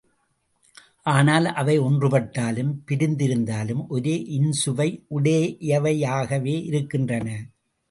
ஆனால் அவை ஒன்றுபட்டாலும் பிரிந்திருந்தாலும் ஒரே இன்சுவை உடையவையாகவே இருக்கின்றன.